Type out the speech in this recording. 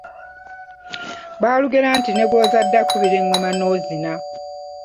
Baalugera nti; ne gw'ozadde akubira eŋŋoma n’ozina.